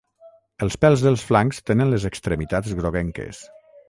Els pèls dels flancs tenen les extremitats groguenques.